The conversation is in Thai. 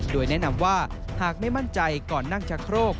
โดยแนะนำว่าหากไม่มั่นใจก่อนนั่งชะโครก